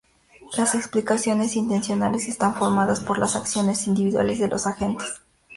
Las explicaciones intencionales están formadas por las acciones individuales de los agentes.